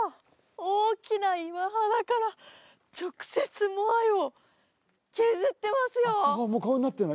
大きな岩肌から直接モアイを削ってますよ！